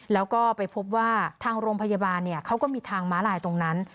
แล้วก็ไปพบว่าทางโรงพยาบาลเขาก็มีทางม้าลายตรงนั้น